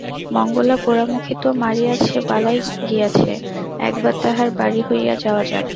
মঙ্গলা পোড়ামুখী তো মরিয়াছে, বালাই গিয়াছে, একবার তাহার বাড়ি হইয়া যাওয়া যাক।